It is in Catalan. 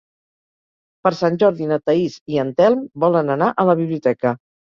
Per Sant Jordi na Thaís i en Telm volen anar a la biblioteca.